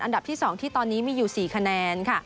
อันดับที่๒ที่ตอนนี้มีอยู่๔คะแนนค่ะ